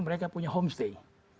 mereka punya homestay